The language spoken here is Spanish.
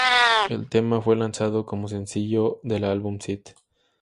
El tema fue lanzado como sencillo del álbum "St.